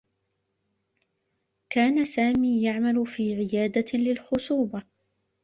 كان سامي يعمل في عيادة للخصوبة.